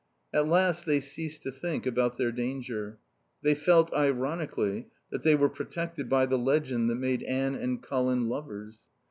At last they ceased to think about their danger. They felt, ironically, that they were protected by the legend that made Anne and Colin lovers.